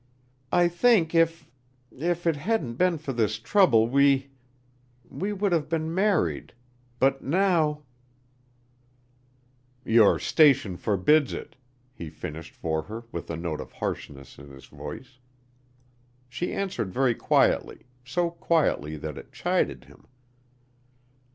I think if if it hadn't been for this trouble we we would have been married. But now " "Your station forbids it," he finished for her with a note of harshness in his voice. She answered very quietly so quietly that it chided him.